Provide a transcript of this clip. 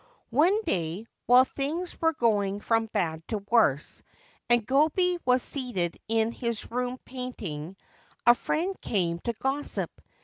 One day, while things were going from bad to worse, and Gobei was seated in his room painting, a friend came to gossip.